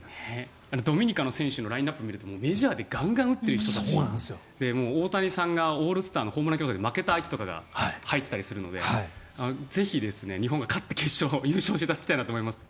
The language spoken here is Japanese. ドミニカの選手のラインナップを見るとメジャーでガンガン打っている人たち大谷さんがオールスターのホームラン競争で負けた相手とかが入っていたりするのでぜひ日本が勝って優勝していただきたいなと思います。